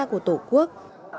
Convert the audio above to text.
của tổ quốc